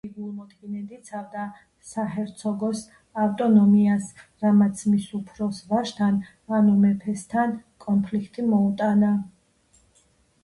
იგი გულმოდგინედ იცავდა საჰერცოგოს ავტონომიას, რამაც მის უფროს ვაჟთან, ანუ მეფესთან კონფლიქტი მოუტანა.